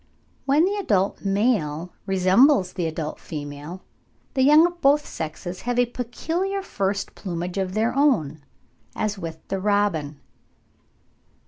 When the adult male resembles the adult female, the young of both sexes have a peculiar first plumage of their own, as with the robin.